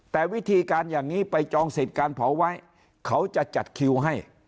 แต่วิธีการอย่างนี้ไปจองสิทธิ์การเผาไว้เขาจะจัดคิวให้